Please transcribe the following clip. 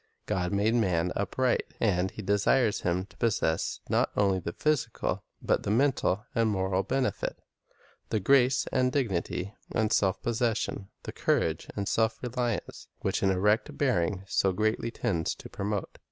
God made man upright, and He desires him to possess not only the physical but the mental and moral benefit, the grace and dignity and self possession, the courage and self reliance, which an erect bearing so greatly tends to promote.